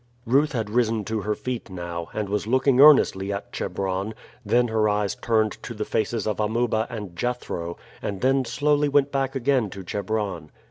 Ruth had risen to her feet now, and was looking earnestly at Chebron, then her eyes turned to the faces of Amuba and Jethro, and then slowly went back again to Chebron.